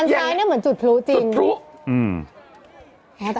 ซ้ายเนี่ยเหมือนจุดพลุจริงพลุอืม